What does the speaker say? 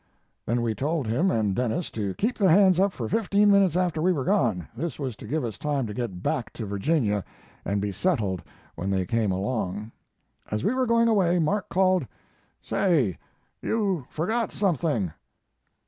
"Then we told him and Denis to keep their hands up for fifteen minutes after we were gone this was to give us time to get back to Virginia and be settled when they came along. As we were going away Mark called: "'Say, you forgot something.'